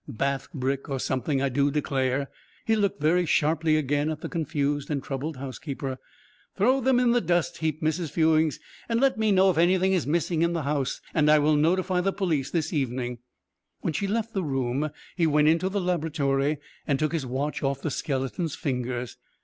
"Bath brick, or something, I do declare." He looked very sharply again at the confused and troubled housekeeper. "Throw them on the dust heap, Mrs. Fewings, and and let me know if anything is missing in the house, and I will notify the police this evening." When she left the room he went into the laboratory and took his watch off the skeleton's fingers.